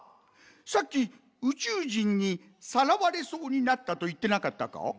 さっきうちゅうじんにさらわれそうになったといってなかったか？